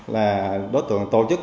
là đối tượng tổ chức